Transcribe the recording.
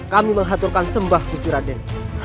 kami mengaturkan sembah kursi raden